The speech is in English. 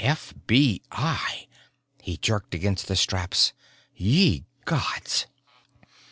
_ FBI! He jerked against the straps. Ye gods!